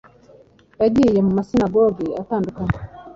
Yagiye mu masinagogi atandukanye